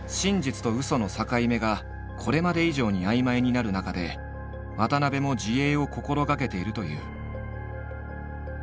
その境目がこれまで以上に曖昧になる中で渡部も自衛を心がけているという。